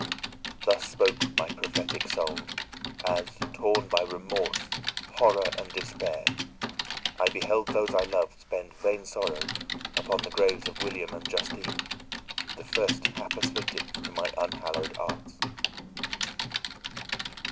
Thus spoke my prophetic soul, as, torn by remorse, horror, and despair, I beheld those I loved spend vain sorrow upon the graves of William and Justine, the first hapless victims to my unhallowed arts.